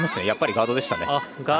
やっぱりガードでした。